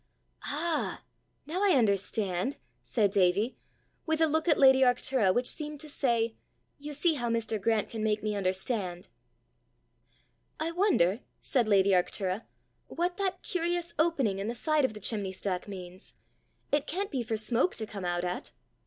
"Ah, now I understand!" said Davie, with a look at lady Arctura which seemed to say, "You see how Mr. Grant can make me understand!" "I wonder," said lady Arctura, "what that curious opening in the side of the chimney stack means! It can't be for smoke to come out at!"